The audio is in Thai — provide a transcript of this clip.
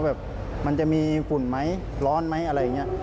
แบบมันจะมีฝุ่นไหมร้อนไหมอะไรอย่างนี้